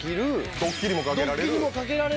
ドッキリもかけられる。